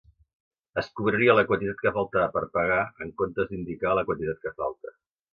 Es cobraria la quantitat que faltava per pagar en comptes d'indicar la quantitat que falta.